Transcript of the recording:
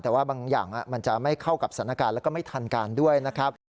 แต่ว่าบางอย่างมันจะไม่เข้ากับสถานการณ์แล้วก็ไม่ทันการด้วยนะครับ